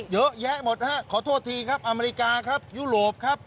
เยอะแยะหมดฮะขอโทษทีครับอเมริกาครับยุโรปครับ